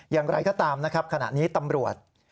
อย่างไรก็ตามขณะนี้ตำรวจ